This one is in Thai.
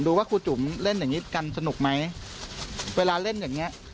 ดูว่าครูจุ๋มเล่นอย่างงี้กันสนุกไหมเวลาเล่นอย่างเงี้